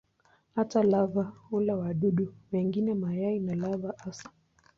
Hata lava hula wadudu wengine, mayai na lava hasa.